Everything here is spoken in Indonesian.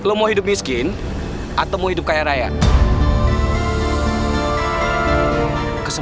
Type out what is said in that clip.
abang tumben jalan masih gelap gini